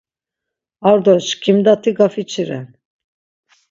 Ar do şǩimdati gafiçiren.